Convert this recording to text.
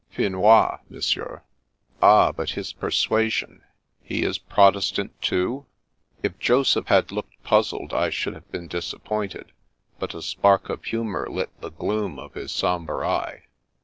" Finois, Monsieur." "Ah, but his persuasion? He is Protestant, too? " If Joseph had looked puzzled, I should have been disappointed, but a spark of humour lit the gloom of his sombre eye.